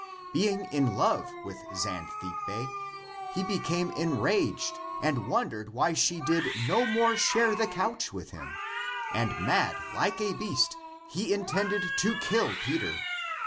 Being in love with Xanthippe, he became enraged and wondered why she did no more share the couch with him, and, mad, like a beast, he intended to kill Peter.